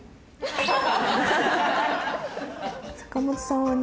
坂本さんはね